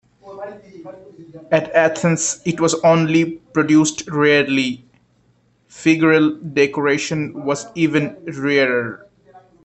In Athens, it was only produced rarely; figural decoration was even rarer.